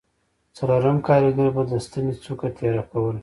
څلورم کارګر به د ستنې څوکه تېره کوله